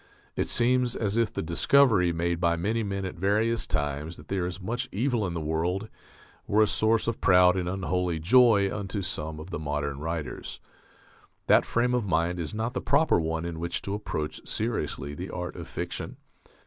It seems as if the discovery made by many men at various times that there is much evil in the world were a source of proud and unholy joy unto some of the modern writers. That frame of mind is not the proper one in which to approach seriously the art of fiction....